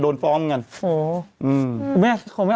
โดนฟ้องกัน